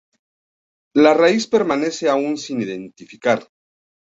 La raíz permanece aún sin identificar.